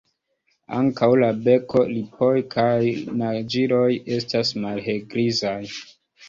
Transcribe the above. Ankaŭ la beko, lipoj kaj naĝiloj estas malhelgrizaj.